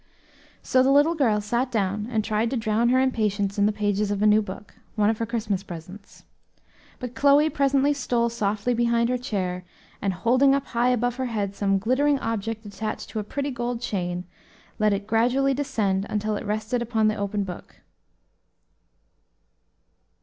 So the little girl sat down and tried to drown her impatience in the pages of a new book one of her Christmas presents. But Chloe presently stole softly behind her chair, and, holding up high above her head some glittering object attached to a pretty gold chain, let it gradually descend until it rested upon the open book.